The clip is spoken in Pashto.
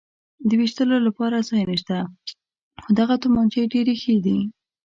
د وېشتلو لپاره ځای نشته، خو دغه تومانچې ډېرې ښې دي.